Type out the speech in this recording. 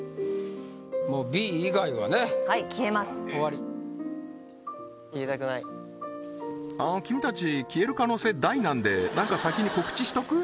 もうＢ以外はねはい消えます終わり消えたくない君たち消える可能性大なんでなんか先に告知しとく？